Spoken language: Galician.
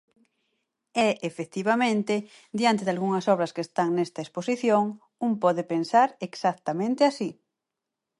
E, efectivamente, diante dalgunhas obras que están nesta exposición, un pode pensar exactamente así.